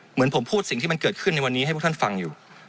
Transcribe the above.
เหมือนผมพูดสิ่งที่มันเกิดขึ้นในวันนี้ให้พวกท่านฟังอยู่